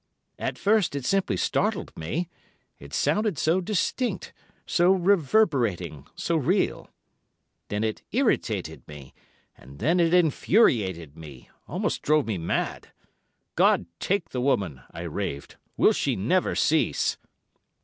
At first it simply startled me—it sounded so distinct, so reverberating, so real. Then it irritated me, and then it infuriated me—almost drove me mad. 'God take the woman,' I raved. 'Will she never cease.